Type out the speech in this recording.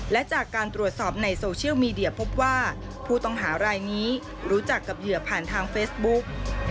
และจากการตรวจสอบในโซเชียลมีเดียพบว่าผู้ต้องหารายนี้รู้จักกับเหยื่อผ่านทางเฟซบุ๊ก